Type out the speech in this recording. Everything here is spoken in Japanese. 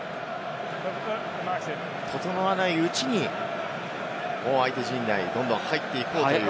整わないうちに、もう相手陣内にどんどん入っていこうという。